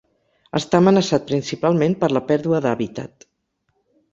Està amenaçat principalment per la pèrdua d'hàbitat.